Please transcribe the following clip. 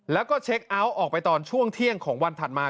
แล้วก็เช็คเอาท์ออกไปตอนช่วงเที่ยงของวันถัดมา